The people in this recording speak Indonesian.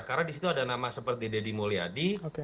karena disitu ada nama seperti deddy mulyadi